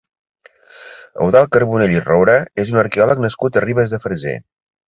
Eudald Carbonell i Roura és un arqueòleg nascut a Ribes de Freser.